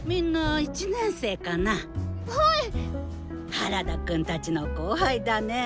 原田くんたちの後輩だね。